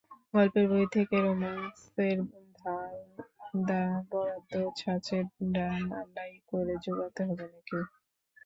গল্পের বই থেকেই রোম্যান্সের বাঁধা বরাদ্দ ছাঁচে ঢালাই করে জোগাতে হবে নাকি।